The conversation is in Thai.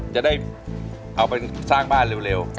จะได้เอาไปสร้างบ้านเร็ว